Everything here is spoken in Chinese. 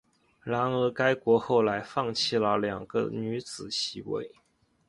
然而该国后来放弃了两个女子席位。